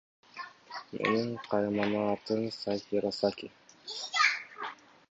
Менин каймана атым Сайхиросаки.